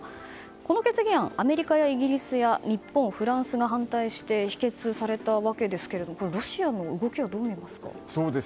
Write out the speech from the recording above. この決議案、アメリカやイギリスや日本、フランスが反対して、否決されたわけですがこれ、ロシアの動きはどう見ますか。